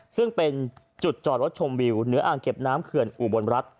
ซึ่งเป็นจุดจอดรถชมวิวเหนืออ่างเก็บน้ำเขื่อนอุบลรัฐ